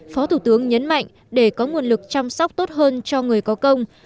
phó thủ tướng nhấn mạnh để có nguồn lực chăm sóc tốt hơn cho người có công